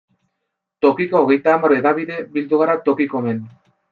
Tokiko hogeita hamar hedabide bildu gara Tokikomen.